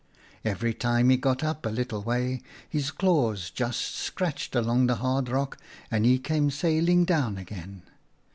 Every time he got up a little way, his claws just scratched along the hard rock and he came sailing down again.